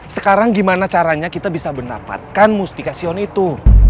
sekarang gimana caranya kita bisa mendapatkan mustikasion itu